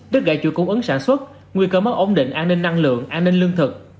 đất gãy chuỗi cung ứng sản xuất nguy cơ mất ổn định an ninh năng lượng an ninh lương thực